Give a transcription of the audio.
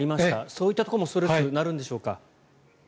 そういったところもストレスになるんでしょうか？